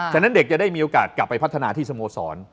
ฉะนั้นเด็กจะได้มีโอกาสกลับไปพัฒนาที่สโมสร